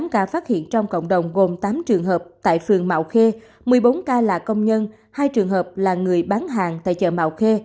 bốn ca phát hiện trong cộng đồng gồm tám trường hợp tại phường mạo khê một mươi bốn ca là công nhân hai trường hợp là người bán hàng tại chợ mạo khê